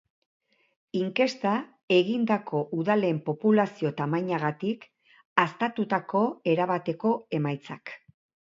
Inkesta egindako udalen populazio-tamainagatik haztatutako erabateko emaitzak.